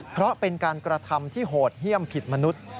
เพราะเป็นการกระทำที่โหดเยี่ยมผิดมนุษย์